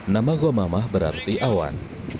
nama gomama berarti awan